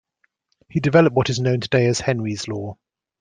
He developed what is known today as Henry's Law.